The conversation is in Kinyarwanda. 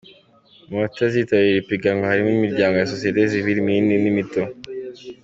Mu bazitabira iri piganwa harimo imiryango ya Sosiyete Sivile minini n’imito.